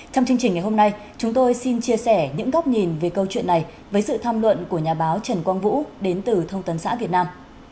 trong chương trình ngày hôm nay chúng tôi xin chia sẻ những góc nhìn về câu chuyện này với sự tham luận của nhà báo trần quang vũ đến từ thông tấn xã việt nam